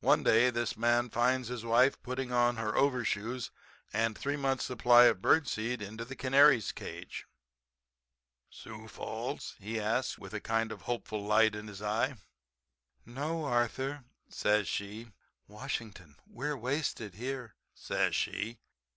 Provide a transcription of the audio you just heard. One day this man finds his wife putting on her overshoes and three months supply of bird seed into the canary's cage. "Sioux Falls?" he asks with a kind of hopeful light in his eye. "No, Arthur," says she, "Washington. We're wasted here," says she.